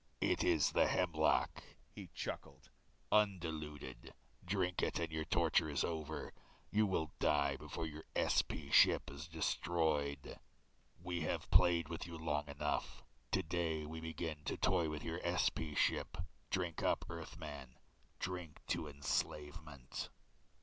"It is the hemlock," he chuckled, "undiluted. Drink it and your torture is over. You will die before your SP ship is destroyed. "We have played with you long enough. Today we begin to toy with your SP ship. Drink up, Earthman, drink to enslavement."